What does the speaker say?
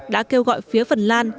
đã kêu gọi phía phần lan